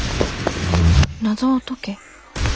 「謎を解け」。